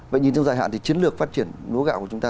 vậy nhìn trong dài hạn thì chiến lược phát triển lúa gạo của chúng ta